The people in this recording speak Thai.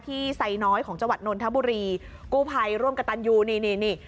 ไซน้อยของจังหวัดนนทบุรีกู้ภัยร่วมกับตันยูนี่นี่